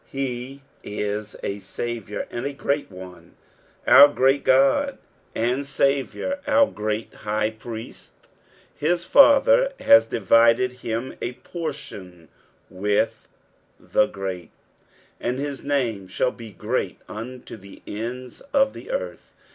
he is " a Saviour, and a great one," our great Ood and Saviour, our greut High Pritnt ; his Father has divided him a portion with the great, and his name shall be great unto the ends of the earth.